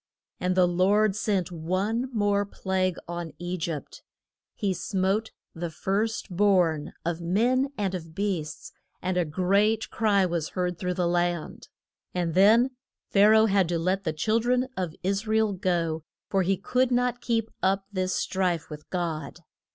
And the Lord sent one more plague on E gypt: he smote the first born of men and of beasts, and a great cry was heard through the land. And then Pha ra oh had to let the chil dren of Is ra el go, for he could not keep up this strife with God.